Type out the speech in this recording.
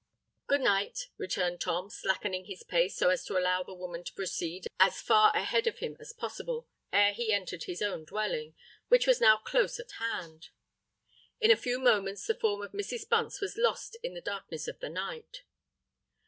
"Good night," returned Tom, slackening his pace so as to allow the woman to proceed as far a head of him as possible ere he entered his own dwelling, which was now close at hand. In a few moments the form of Mrs. Bunce was lost in the darkness of the night.